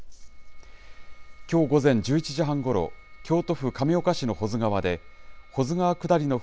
きょう午前１１時半ごろ、京都府亀岡市の保津川で、保津川下りの舟